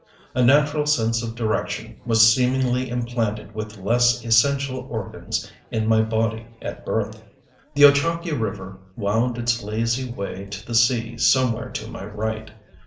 A natural sense of direction was seemingly implanted with less essential organs in my body at birth. The Ochakee River wound its lazy way to the sea somewhere to my right.